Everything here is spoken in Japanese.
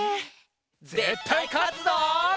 ぜったいかつぞ！